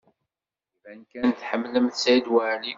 Iban kan tḥemmlemt Saɛid Waɛli.